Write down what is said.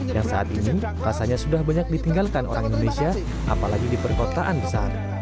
yang saat ini rasanya sudah banyak ditinggalkan orang indonesia apalagi di perkotaan besar